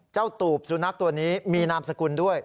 ตูบสุนัขตัวนี้มีนามสกุลด้วย